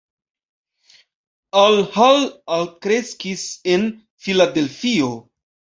Al Hall alkreskis en Filadelfio.